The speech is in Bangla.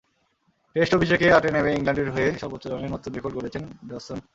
টেস্ট অভিষেকে আটে নেমে ইংল্যান্ডের হয়ে সর্বোচ্চ রানের নতুন রেকর্ড গড়েছেন ডসন।